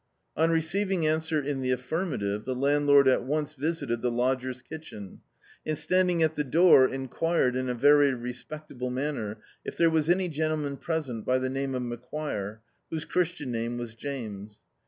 On receiv ing answer in the afHnnative the landlord at once visited the lodgers' kitchen, and standing at the door enquired in a very respectable manner if there was any gentleman present by the name of Macquire, whose christian name was James.